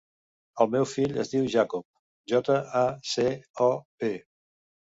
El meu fill es diu Jacob: jota, a, ce, o, be.